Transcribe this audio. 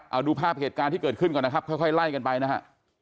เอาดูภาพเหตุการณ์ที่เกิดขึ้นก่อนนะครับค่อยไล่กันไปนะฮะ